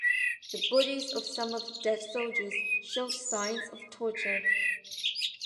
The bodies of some of the dead soldiers showed signs of torture.